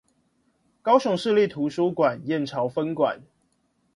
高雄市立圖書館燕巢分館